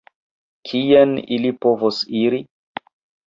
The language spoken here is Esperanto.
Kien ili povos iri?